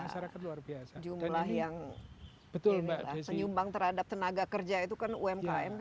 masyarakat luar biasa jumlah yang betul mbak desi umbang terhadap tenaga kerja itu kan umkm